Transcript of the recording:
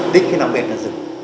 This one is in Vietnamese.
đích cái nằm bền là dừng